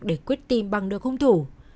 để quyết tìm băng đưa không thủ